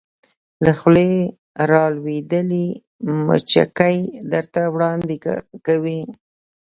له خولې را لویدلې مچکې درته وړاندې کوې